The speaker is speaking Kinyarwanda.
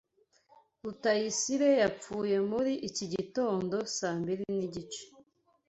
Rutayisire yapfuye muri iki gitondo saa mbiri nigice.